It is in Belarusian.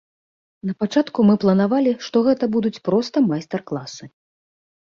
Напачатку мы планавалі, што гэта будуць проста майстар-класы.